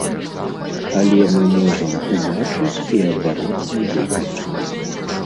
Але мы можам убачыць і адвароты вынік.